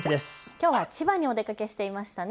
きょうは千葉にお出かけしていましたね。